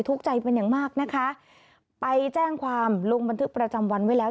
ทุกข์ใจเป็นอย่างมากนะคะไปแจ้งความลงบันทึกประจำวันไว้แล้ว